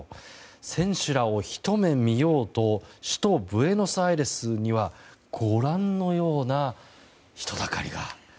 選手らをひと目見ようと首都ブエノスアイレスにはご覧のような人だかりが。